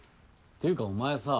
っていうかお前さ